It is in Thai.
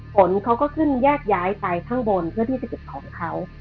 ผลเขาก็ขึ้นแยกย้ายไปข้างบนเพื่อที่จะเก็บของเขา